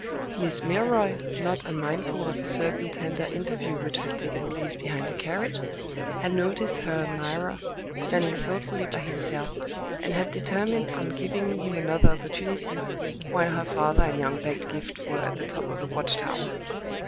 Miss Milroy (not unmindful of a certain tender interview which had taken place behind a carriage) had noticed her admirer standing thoughtfully by himself, and had determined on giving him another opportunity, while her father and young Pedgift were at the top of the watch tower.